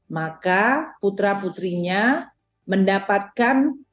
maka putra putrinya mendapatkan